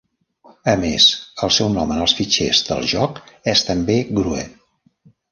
A més, el seu nom en els fitxers del joc és també "Grue".